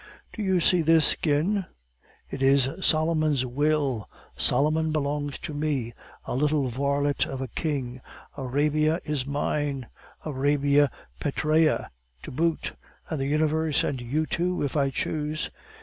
"Do you see this skin? It is Solomon's will. Solomon belongs to me a little varlet of a king! Arabia is mine, Arabia Petraea to boot; and the universe, and you too, if I choose.